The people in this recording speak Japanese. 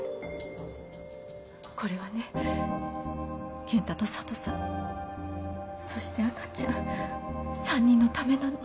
これはね健太と佐都さんそして赤ちゃん３人のためなの。